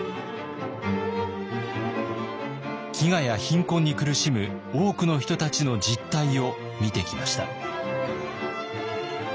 飢餓や貧困に苦しむ多くの人たちの実態を見てきました。